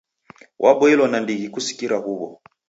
Waboilo nandighi kusikira huw'o.